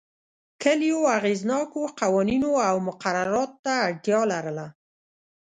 کلیو اغېزناکو قوانینو او مقرراتو ته اړتیا لرله